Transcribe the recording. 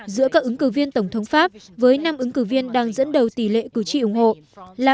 giữa các ứng cử viên tổng thống pháp với năm ứng cử viên đang dẫn đầu tỷ lệ cử tri ủng hộ là